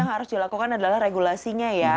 yang harus dilakukan adalah regulasinya ya